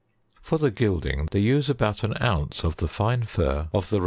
For the gilding, they use about an ounce of the fine fur of the Russian 77.